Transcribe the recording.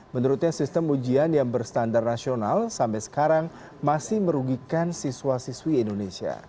menurutnya sistem ujian yang berstandar nasional sampai sekarang masih merugikan siswa siswi indonesia